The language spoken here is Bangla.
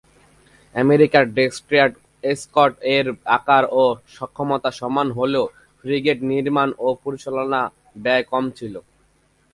আমেরিকার ডেস্ট্রয়ার এসকর্ট-এর আকারে ও সক্ষমতায় সমান হলেও ফ্রিগেট নির্মাণ ও পরিচালনা ব্যয় কম ছিল।